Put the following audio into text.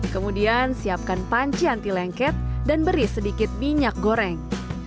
kemudian siapkan panci anti lengket dan beri sedikit minyak goreng